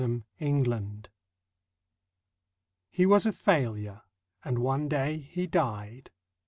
COMPASSION HE was a failure, and one day he died.